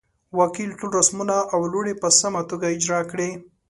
وکیل ټول رسمونه او لوړې په سمه توګه اجرا کړې.